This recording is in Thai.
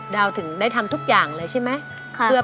ถึงได้ทำทุกอย่างเลยใช่ไหม